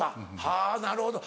はぁなるほど。